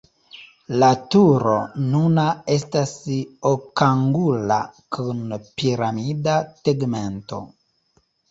La turo nuna estas okangula kun piramida tegmento.